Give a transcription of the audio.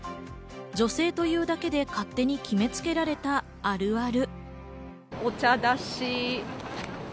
女性というだけで勝手に決めつけられた、あるある。